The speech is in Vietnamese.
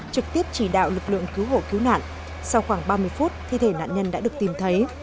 trực tiếp chỉ đạo lực lượng cứu hộ cứu nạn sau khoảng ba mươi phút thi thể nạn nhân đã được tìm thấy